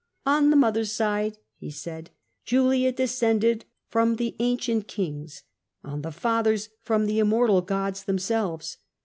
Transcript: " On the mother's side/' he said, ''Julia descended from the ancient kings, on the father's from the immortal gods themselves.